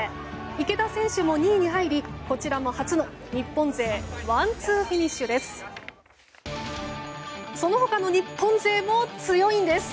池田選手も２位に入りこちらも初の日本勢ワンツーフィニッシュです。